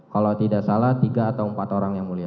kalau tidak salah tiga atau empat orang yang mulia